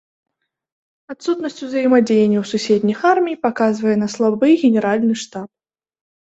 Адсутнасць узаемадзеянняў суседніх армій паказвае на слабы генеральны штаб.